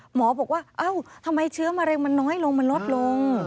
หมอบอกว่าเอ้าทำไมเชื้อมะเร็งมันน้อยลงมันลดลง